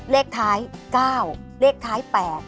เลขท้าย๙เลขท้าย๘